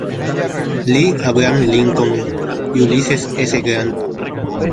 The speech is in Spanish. Lee, Abraham Lincoln y Ulysses S. Grant.